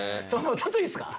ちょっといいっすか？